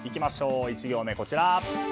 １行目はこちら。